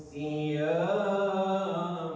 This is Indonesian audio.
apa yang kita lakukan